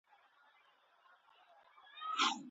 د هغه نکاح وکړئ.